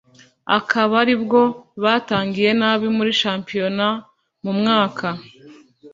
akaba aribwo batangiye nabi muri shampiyona mumyaka